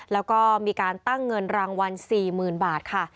แล้วก็มีการตั้งเงินรางวัล๔๐๐๐บาทค่ะ